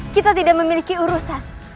kita tidak memiliki urusan